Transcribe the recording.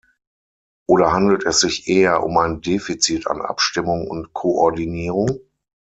Oder handelt es sich eher um ein Defizit an Abstimmung und Koordinierung?